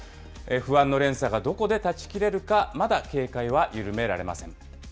不安の連鎖がどこで断ち切れるか、まだ警戒は緩められません。